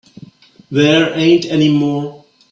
There ain't any more.